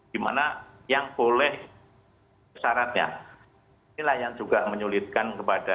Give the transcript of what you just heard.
dimana yang boleh syaratnya inilah yang juga menyulitkan kepada